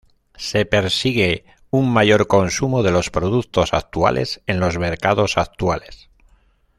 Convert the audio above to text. Se persigue un mayor consumo de los productos actuales en los mercados actuales.